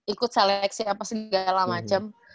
ikut seleksi apa segala macem